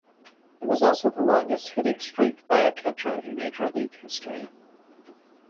It was also the longest hitting streak by a catcher in major league history.